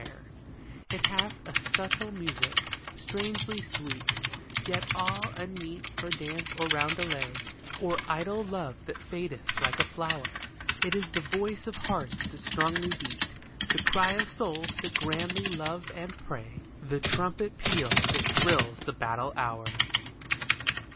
242 THE SONNET It hath a subtile music, strangely sweet, Yet all unmeet for dance or roundelay, Or idle love that fadeth like a flower. It is the voice of hearts that strongly beat, The cry of souls that grandly love and pray, The trumpet peal that thrills the battle hour